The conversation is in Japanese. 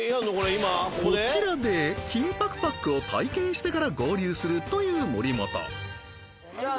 こちらで金箔パックを体験してから合流するという森本じゃあ